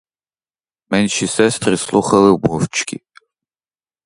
Менші сестри слухали мовчки.